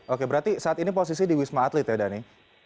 oke berarti saat ini posisi di wisma atlet ya dhani